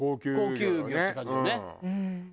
高級魚って感じだね。